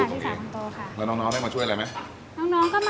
พี่ซาพี่สายโค่ครับ